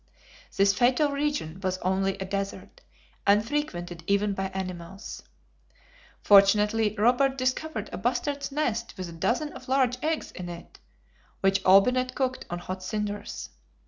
This fatal region was only a desert, unfrequented even by animals. Fortunately, Robert discovered a bustard's nest with a dozen of large eggs in it, which Olbinett cooked on hot cinders.